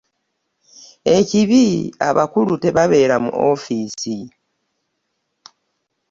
Ekibi abakulu tebabeera mu woofiisi.